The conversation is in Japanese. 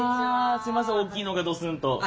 すいません大きいのがどすんと。